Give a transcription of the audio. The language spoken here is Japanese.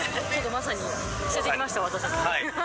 まさに連れてきました、私たち。